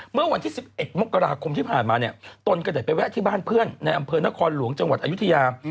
เมื่อวันที่๑๑มกราคมที่ผ่านมาเนี่ยตนก็ได้ไปแวะที่บ้านเพื่อนในอำเภอนครหลวงจังหวัดอายุทยา